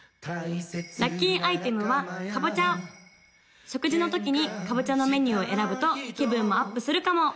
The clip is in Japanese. ・ラッキーアイテムはカボチャ食事の時にカボチャのメニューを選ぶと気分もアップするかも！